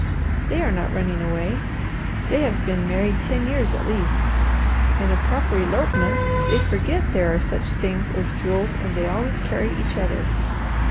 They are not running away. They have been married ten years at least. In a proper elopement, they forget there are such things as jewels and they always carry each other.